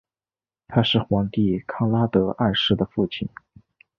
他是皇帝康拉德二世的父亲。